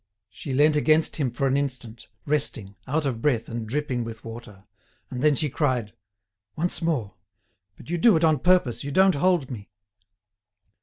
She leant against him for an instant, resting, out of breath and dripping with water; and then she cried: "Once more; but you do it on purpose, you don't hold me."